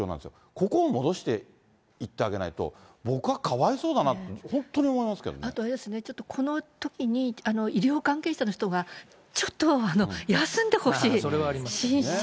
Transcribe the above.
ここを戻していってあげないと、僕はかわいそうだなと、本当に思あとあれですね、このときに医療関係者の人がちょっとは休んでほしい。